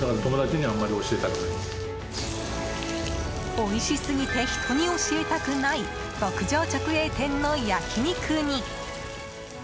おいしすぎて人に教えたくない牧場直営店の焼き肉に。